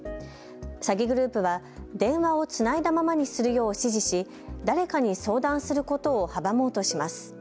詐欺グループは電話をつないだままにするよう指示し、誰かに相談することを阻もうとします。